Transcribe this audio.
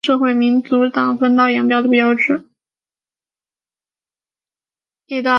意大利波隆那童书展是世界上首屈一指的儿童图书书展。